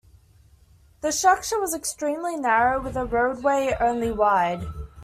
The structure was extremely narrow, with a roadway only wide.